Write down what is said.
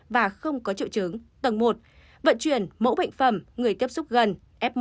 và không có triệu chứng tầng một vận chuyển mẫu bệnh phẩm người tiếp xúc gần f một